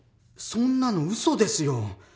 そんなのウソですよ！